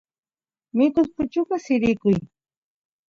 mikus puchukas sirikuy